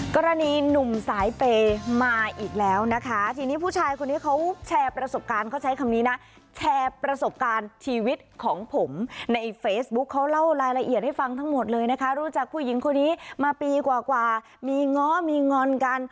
กรณีหนุ่มสายเปย์มาอีกแล้วนะคะทีนี้ผู้ชายคนนี้เขาแชร์ประสบการณ์เขาใช้คำนี้นะแชร์ประสบการณ์ชีวิตของผมในเฟซบุ๊คเขาเล่ารายละเอียดให้ฟังทั้งหมดเลยนะคะรู้จักผู้หญิงคนนี้มาปีกว่ามีง้อมีงอนกัน